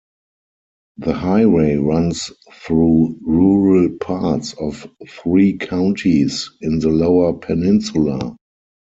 The highway runs through rural parts of three counties in the Lower Peninsula.